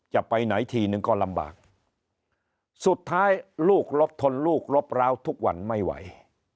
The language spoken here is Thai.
จะไปไหนทีนึงก็ลำบากสุดท้ายลูกลบทนลูกลบร้าวทุกวันไม่ไหว